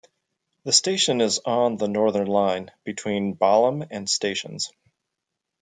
The station is on the Northern line, between Balham and stations.